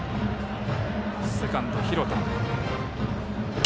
セカンド、廣田。